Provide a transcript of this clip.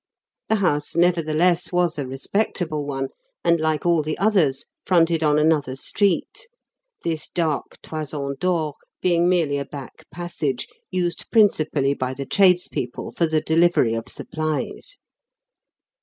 The house, nevertheless, was a respectable one, and, like all the others, fronted on another street this dark Toison d'Or being merely a back passage used principally by the tradespeople for the delivery of supplies.